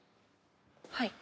はい。